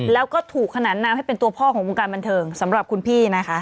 แล้วก็ถูกขนานนามให้เป็นตัวพ่อของวงการบันเทิงสำหรับคุณพี่นะคะ